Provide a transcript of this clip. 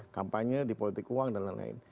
kampanye di politik uang dan lain lain